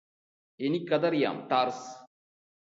എനിക്കതറിയാം ടാര്സ്